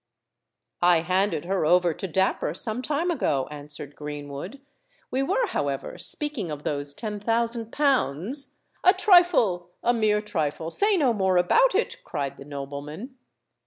"I handed her over to Dapper some time ago," answered Greenwood. "We were, however, speaking of those ten thousand pounds——" "A trifle—a mere trifle. Say no more about it," cried the nobleman.